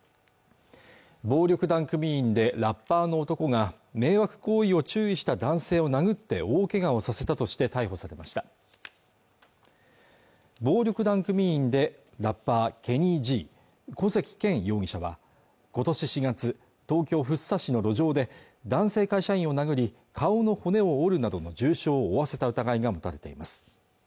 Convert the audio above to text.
暴力団組員でラッパーの男が迷惑行為を注意した男性を殴って大けがをさせたとして逮捕されました暴力団組員でラッパーＫＥＮＮＹ−Ｇ古関健容疑者は今年４月東京福生市の路上で男性会社員を殴り顔の骨を折るなどの重傷を負わせた疑いが持たれています